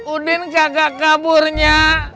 udin kagak kaburnya